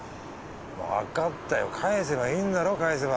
わかったよ返せばいいんだろ返せば。